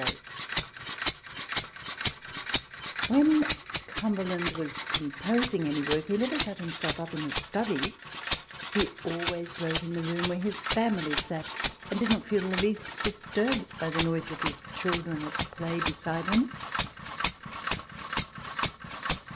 TABLE TALK OF SAMUEL ROGERS 107 When Cumberland was composing any work, he never shut himself up in his study : he always wrote in the room where his family sat, and did not feel the least disturbed by the noise of his children at play beside him.